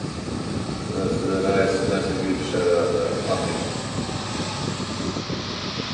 Auchan also opened a store in the Chicago suburb of Bridgeview, Illinois.